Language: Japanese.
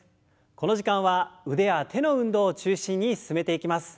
この時間は腕や手の運動を中心に進めていきます。